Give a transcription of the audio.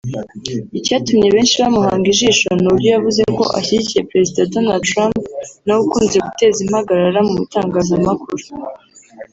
Icyatumye benshi bamuhanga ijisho ni uburyo yavuze ko ashyigikiye perezida Donald Trump nawe ukunze guteza impagarara mu itangazamakuru